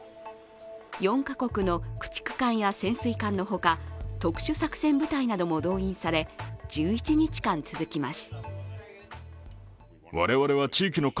４か国の駆逐艦や潜水艦のほか、特殊作戦部隊なども動員され１１日間、続きます。